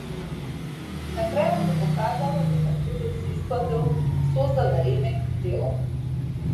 На крајот се покажало дека трудот се исплател создале ремек дело!